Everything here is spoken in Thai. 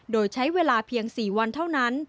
โดยใช้เวลาเพียง๔วันเท่านั้น